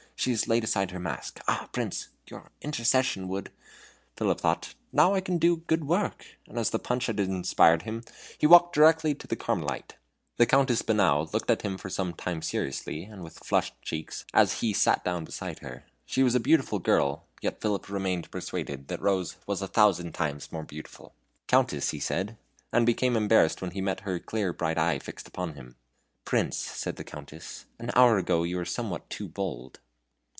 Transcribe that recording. She has laid aside her mask. Ah, Prince! your intercession would " Philip thought: "Now I can do a good work!" and, as the punch had inspired him, he walked directly to the Carmelite. The Countess Bonau looked at him for some time seriously, and with flushed cheeks, as he sat down beside her. She was a beautiful girl; yet Philip remained persuaded that Rose was a thousand times more beautiful. "Countess," he said, and became embarrassed when he met her clear bright eye fixed upon him. "Prince," said the Countess, "an hour ago you were somewhat too bold."